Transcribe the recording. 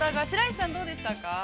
白石さん、どうでしたか。